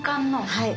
はい。